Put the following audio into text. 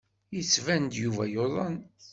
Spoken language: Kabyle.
Yettban-d Yuba yuḍen.